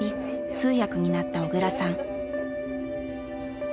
通訳になった小倉さん。